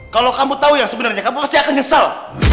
kalo kamu tau yang sebenernya kamu pasti akan nyesel